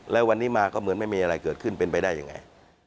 แล้ววันนี้มาก็เหมือนไม่มีอะไรเกิดขึ้นเป็นไปได้ยังไง